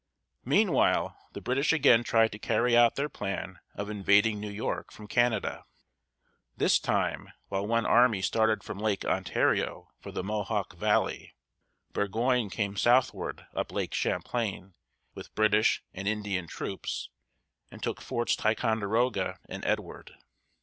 Meanwhile the British again tried to carry out their plan of invading New York from Canada. This time, while one army started from Lake Ontario for the Mo´hawk valley, Burgoyne came southward up Lake Champlain, with British and Indian troops, and took Forts Ticonderoga and Edward.